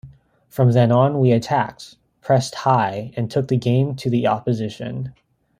From then on we attacked, pressed high and took the game to the opposition.